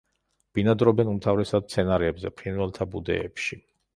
ბინადრობენ უმთავრესად მცენარეებზე, ფრინველთა ბუდეებში.